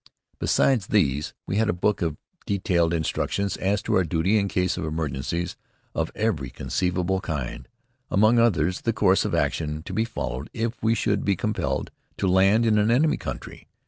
Besides these, we had a book of detailed instructions as to our duty in case of emergencies of every conceivable kind among others, the course of action to be followed if we should be compelled to land in an enemy country.